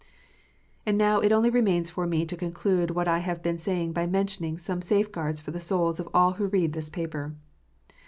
And now it only remains for me to conclude what I have been saying, by mentioning some safe guards for the souls of all who read this paper.